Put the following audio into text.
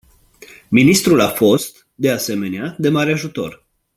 Ministrul a fost, de asemenea, de mare ajutor.